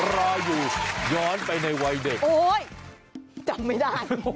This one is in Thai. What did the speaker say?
รออยู่ย้อนไปในวัยเด็กโอ๊ยจำไม่ได้